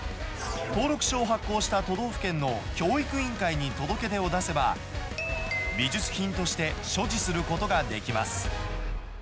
登録証を発行した都道府県の教育委員会に届け出を出せば、美術品として所持することができます。